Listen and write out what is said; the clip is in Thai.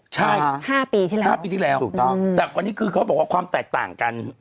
ใช่๕ปีที่แล้ว๕ปีที่แล้วถูกต้องแต่คนนี้คือเขาบอกว่าความแตกต่างกัน